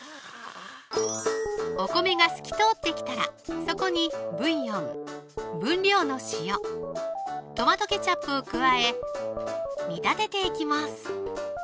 お米が透き通ってきたらそこにブイヨン・分量の塩・トマトケチャップを加え煮立てていきます